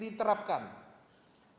kaidah medisnya yang diterapkan